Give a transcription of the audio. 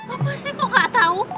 apa sih kok nggak tahu